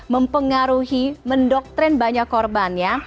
mempengaruhi mendoktrin banyak korbannya